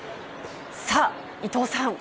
さあ、伊藤さん。